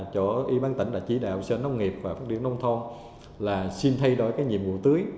chỗ y bác tỉnh đã chỉ đạo sở nông nghiệp và phát triển nông thôn là xin thay đổi cái nhiệm vụ tưới